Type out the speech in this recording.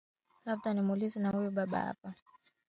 labda ni nimuulize na huyu baba hapa bwana unitwa nini